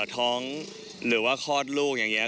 ท้องหรือว่าคลอดลูกอย่างนี้